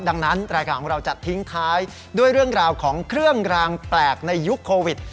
ดังนั้นรายการของเราจะทิ้งท้ายด้วยเรื่องราวของเครื่องรางแปลกในยุคโควิด